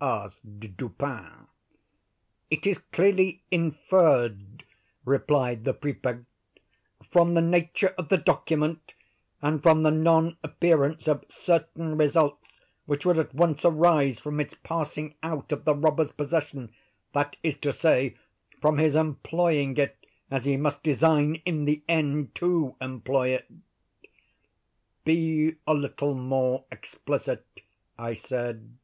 asked Dupin. "It is clearly inferred," replied the Prefect, "from the nature of the document, and from the non appearance of certain results which would at once arise from its passing out of the robber's possession; that is to say, from his employing it as he must design in the end to employ it." "Be a little more explicit," I said.